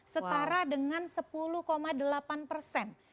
setara dengan sepuluh delapan persen